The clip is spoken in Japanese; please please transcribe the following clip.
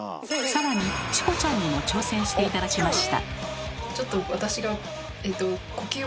更にチコちゃんにも挑戦して頂きました。